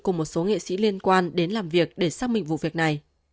cùng một số nghệ sĩ liên quan đến làm việc để xác minh vụ việc này